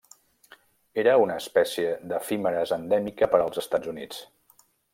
Era una espècie d'efímeres endèmica per als Estats Units.